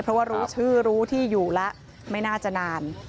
เพราะว่ารู้ชื่อรู้ที่อยู่แล้วไม่น่าจะนาน